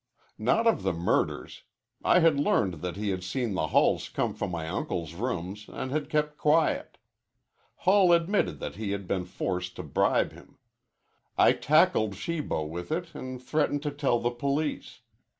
"Not of the murders. I had learned that he had seen the Hulls come from my uncle's rooms an' had kept quiet. Hull admitted that he had been forced to bribe him. I tackled Shibo with it an' threatened to tell the police.